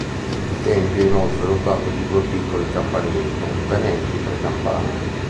Il tempio è inoltre dotato di due piccoli campanili contenenti tre campane.